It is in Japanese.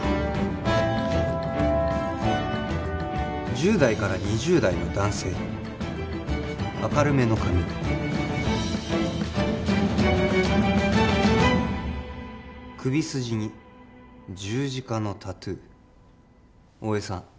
１０代から２０代の男性明るめの髪首筋に十字架のタトゥー大江さん